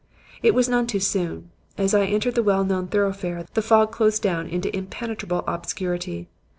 "It was none too soon. As I entered the well known thoroughfare, the fog closed down into impenetrable obscurity.